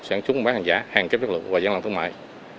sản xuất buôn bán hàng giả hàng kếp chức lượng và giang lận thương mại